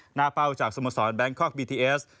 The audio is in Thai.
หน้าเป้าจากสมสรรค์แบงค์คอล์กบีทีเอส